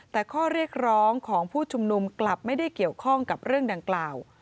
แต่ข้อเรียกร้องของผู้ชุมนุมกลับไม่ได้เกี่ยวข้องกับเรื่องดังกล่าว